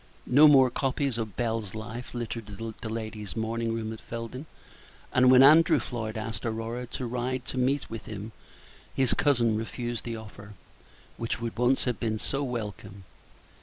No more copies of Bell's Life littered the ladies' morning room at Felden; and when Andrew Floyd asked Aurora to ride to meet with him, his cousin refused the offer, which would once have been so welcome.